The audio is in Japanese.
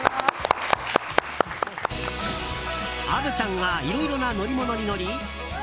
虻ちゃんがいろいろな乗り物に乗り